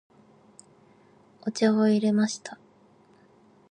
お茶を入れました。